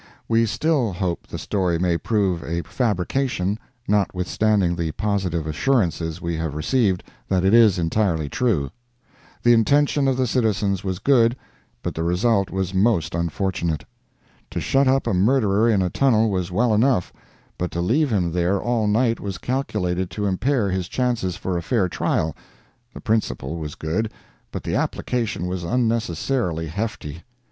We still hope the story may prove a fabrication, notwithstanding the positive assurances we have received that it is entirely true. The intention of the citizens was good, but the result was most unfortunate. To shut up a murderer in a tunnel was well enough, but to leave him there all night was calculated to impair his chances for a fair trial—the principle was good, but the application was unnecessarily "hefty."